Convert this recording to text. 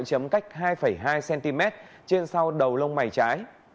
đối tượng có nốt ruồi cách hai hai cm trên sau đầu lông mày trái